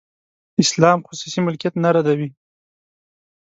اسلام خصوصي ملکیت نه ردوي.